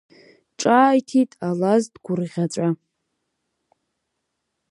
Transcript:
Ҿааиҭит алаз дгәырӷьаҵәа.